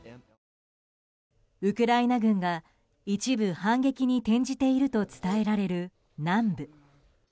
ウクライナ軍が一部反撃に転じていると伝えられる南部。